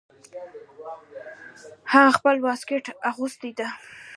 هغه خپل واسکټ اغوستی ده